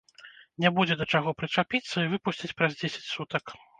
Не будзе да чаго прычапіцца, і выпусцяць праз дзесяць сутак!